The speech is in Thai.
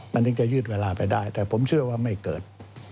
มันถึงจะยืดเวลาไปได้แต่ผมเชื่อว่าไม่เกิด